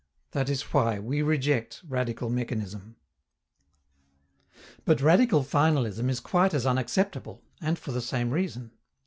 That is why we reject radical mechanism. But radical finalism is quite as unacceptable, and for the same reason.